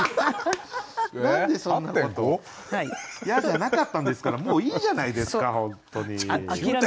「や」じゃなかったんですからもういいじゃないですか本当に。